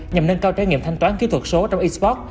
nhằm nâng cao trải nghiệm thanh toán kỹ thuật số trong isbot